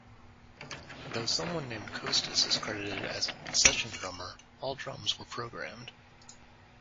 Though someone named "Kostas" is credited as a session drummer, all drums were programmed.